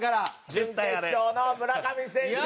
準決勝の村上選手の。